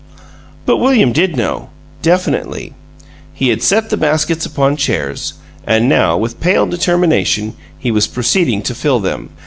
But William did know, definitely. He had set the baskets upon chairs, and now, with pale determination, he was proceeding to fill them.